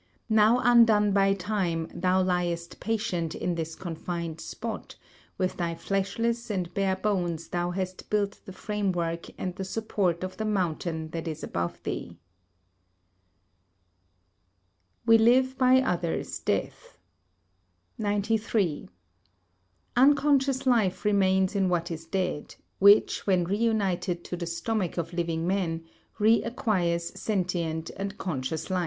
Now undone by time, thou liest patient in this confined spot; with thy fleshless and bare bones thou hast built the framework and the support of the mountain that is above thee. [Sidenote: We live by Others' Death] 93. Unconscious life remains in what is dead, which when reunited to the stomach of living men, reacquires sentient and conscious life.